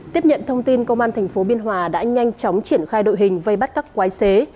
tiếp nhận thông tin công an tp biên hòa đã nhanh chóng triển khai đội hình vây bắt các quái xế